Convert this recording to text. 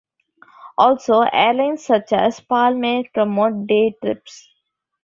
Also, airlines such as Palmair promote day trips.